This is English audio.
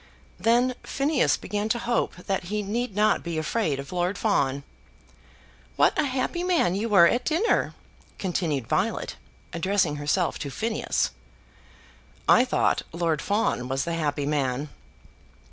Then Phineas began to hope that he need not be afraid of Lord Fawn. "What a happy man you were at dinner!" continued Violet, addressing herself to Phineas. "I thought Lord Fawn was the happy man."